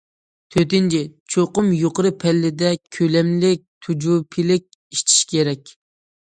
تۆتىنچى، چوقۇم يۇقىرى پەللىدە، كۆلەملىك، تۈجۈپىلىك ئېچىش كېرەك.